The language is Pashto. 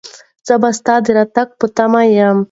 زه به ستا د راتګ په تمه یم.